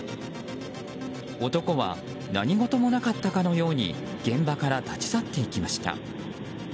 男は何事もなかったかのように現場から立ち去っていきました。